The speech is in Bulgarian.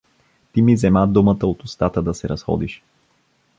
— Ти ми зема думата от устата да се разходиш.